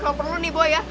kalau perlu nih boy ya